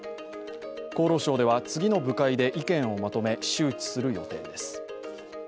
厚労省では次の部会で意見をまとめ周知する予定です。